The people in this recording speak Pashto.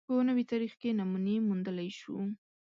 په نوي تاریخ کې نمونې موندلای شو